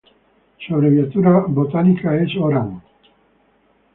Su abreviatura botánica es Horan.